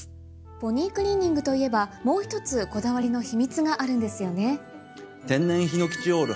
ポニークリーニングといえばもう一つこだわりの秘密があるんですよね。